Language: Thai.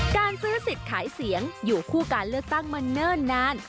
การซื้อสิทธิ์ขายเสียงอยู่คู่การเลือกตั้งมาเนิ่นนาน